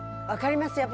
分かります。